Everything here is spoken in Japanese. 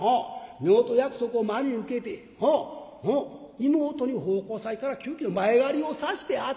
夫婦約束を真に受けて妹に奉公先から急きょ前借りをさしてあてた」。